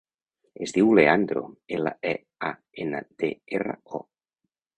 Es diu Leandro: ela, e, a, ena, de, erra, o.